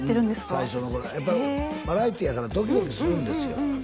最初の頃はバラエティーやからドキドキするんですよ